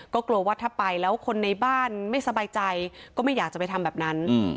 ก็กลัวว่าถ้าไปแล้วคนในบ้านไม่สบายใจก็ไม่อยากจะไปทำแบบนั้น